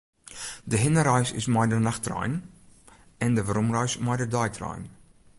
De hinnereis is mei de nachttrein en de weromreis mei de deitrein.